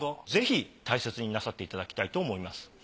ぜひ大切になさっていただきたいと思います。